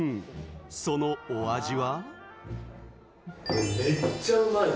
そのお味は？